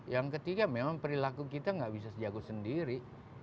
yang ketiga memang perilaku kita gak bisa jago sendiri